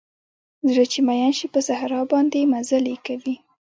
زړه چې مئین شي په صحرا باندې مزلې کوي